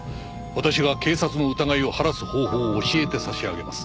「私が警察の疑いを晴らす方法を教えて差し上げます」